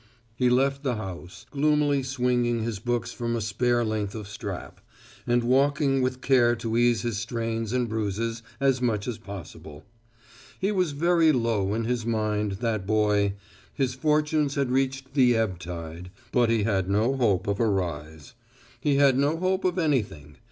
He left the house, gloomily swinging his books from a spare length of strap, and walking with care to ease his strains and bruises as much as possible. He was very low in his mind, that boy. His fortunes had reached the ebb tide, but he had no hope of a rise. He had no hope of anything.